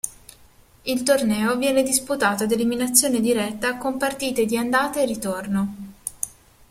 Il torneo viene disputato ad eliminazione diretta con partite di andata e ritorno.